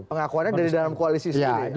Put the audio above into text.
pengakuannya dari dalam koalisi sendiri